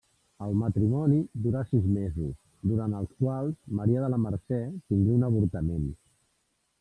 El matrimoni durà sis mesos durant els quals Maria de la Mercè tingué un avortament.